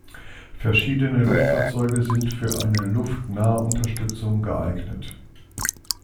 Verschiedene Luftfahrzeuge sind für eine Luftnahunterstützung geeignet.